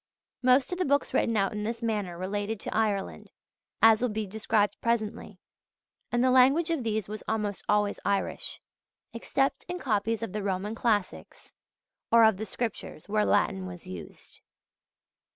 Most of the books written out in this manner related to Ireland, as will be described presently; and the language of these was almost always Irish; except in copies of the Roman classics or of the Scriptures, where Latin was used.